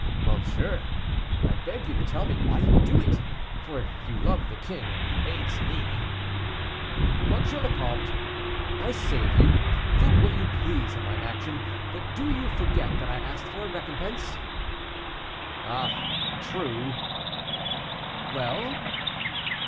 "Monsieur, I beg you to tell me why you do it; for you love the king, and he hates me." "M. le Comte, I save you; think what you please of my action. But do you forget that I asked for a recompense?" "Ah, true." "Well?"